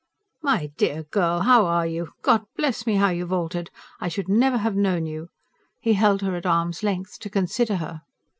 "My dear girl, how are you? God bless me, how you've altered! I should never have known you." He held her at arm's length, to consider her.